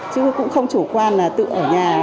chứ cũng không chủ quan là tự ở nhà